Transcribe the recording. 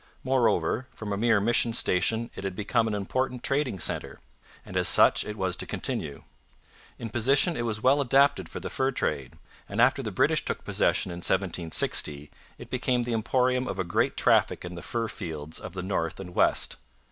Moreover, from a mere mission station it had become an important trading centre; and as such it was to continue. In position it was well adapted for the fur trade, and after the British took possession in 1760 it became the emporium of a great traffic in the fur fields of the north and west.